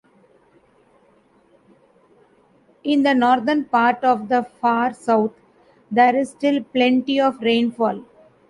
In the northern part of the far south, there is still plenty of rainfall.